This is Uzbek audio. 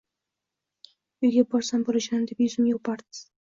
Uyga borsam bolajonim deb yuzimdan upardiz